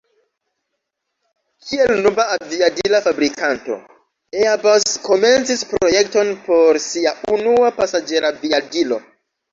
Kiel nova aviadila fabrikanto, Airbus komencis projekton por sia unua pasaĝeraviadilo.